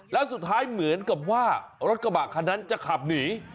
แล้วสุดท้ายเหมือนกับว่ารถกระบะคันนั้นจะขับหนี